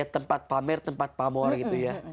tempat pamer tempat pamor gitu ya